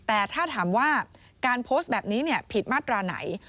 แต่ถ้าถามว่าการโพสต์แบบนี้ผิดมาตราไหน